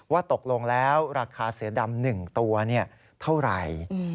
ตกลงแล้วราคาเสือดำ๑ตัวเท่าไหร่